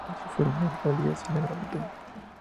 Los principales centros fueron las Galias y Gran Bretaña.